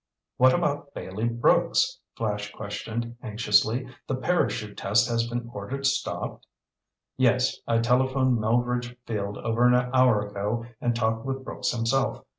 "What about Bailey Brooks?" Flash questioned anxiously. "The parachute test has been ordered stopped?" "Yes, I telephoned Melveredge Field over an hour ago and talked with Brooks himself.